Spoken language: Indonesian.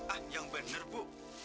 ah yang bener bu